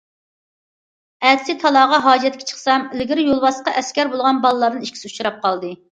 ئەتىسى تالاغا ھاجەتكە چىقسام ئىلگىرى يولۋاسقا ئەسكەر بولغان بالىلاردىن ئىككىسى ئۇچراپ قالدى.